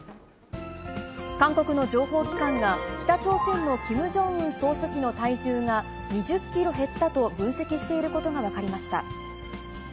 韓国の情報機関が、北朝鮮のキム・ジョンウン総書記の体重が２０キロ減ったと分析していることが分かりました。